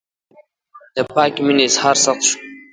د پاکې مینې اظهار سخت شو.